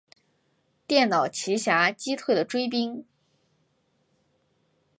电脑奇侠击退了追兵。